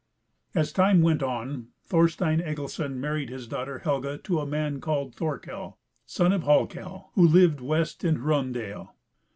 AS time went on, Thorstein Egilson married his daughter Helga to a man called Thorkel, son of Hallkel, who lived west in Hraundale.